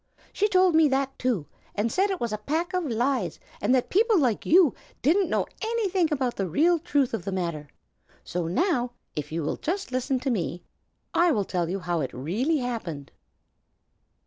"She told me that, too, and said it was a pack of lies, and that people like you didn't know anything about the real truth of the matter. So now, if you will just listen to me, I will tell you how it really happened."